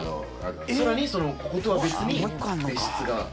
さらにこことは別に別室がある？